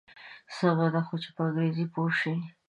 سمه ده خو چې په انګریزي پوی شي.